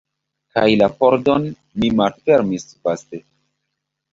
Kaj la pordon mi malfermis vaste.